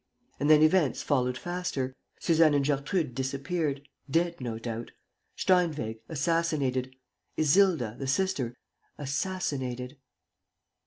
And then events followed faster: Suzanne and Gertrude disappeared, dead, no doubt! Steinweg, assassinated! Isilda, the sister, assassinated!